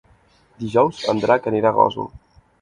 Dijous en Drac anirà a Gósol.